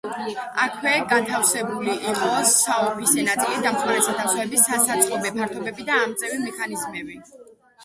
აქვე განთავსებული იყო საოფისე ნაწილი, დამხმარე სათავსოები, სასაწყობე ფართები და ამწევი მექანიზმები.